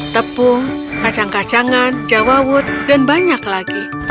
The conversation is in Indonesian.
tepung kacang kacangan jawawut dan banyak lagi